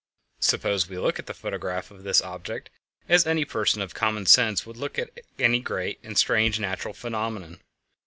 Suppose we look at the photograph of this object as any person of common sense would look at any great and strange natural phenomenon.